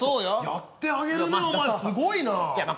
やってあげるねお前すごいなあ。